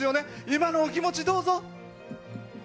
今のお気持ち、どうぞ。